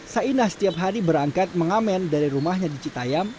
sainah setiap hari berangkat mengamen dari rumahnya di citayam